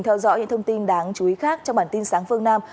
theo dõi những thông tin đáng chú ý khác trong bản tin sáng phương nam